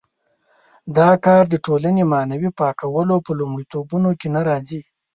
دا کار د ټولنې معنوي پاکولو په لومړیتوبونو کې نه راځي.